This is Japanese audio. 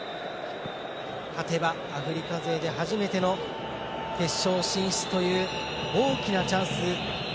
勝てばアフリカ勢で初めての決勝進出という大きなチャンス。